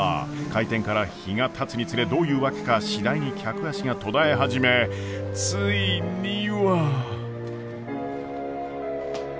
開店から日がたつにつれどういうわけか次第に客足が途絶え始めついには。